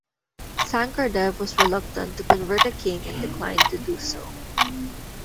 Sankardev was reluctant to convert a king and declined to do so.